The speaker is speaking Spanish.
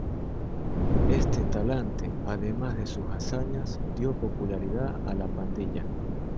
Este talante, además de sus hazañas, dio popularidad a la pandilla.